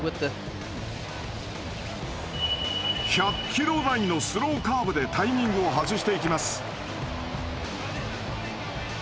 １００キロ台のスローカーブでタイミングを外していきます。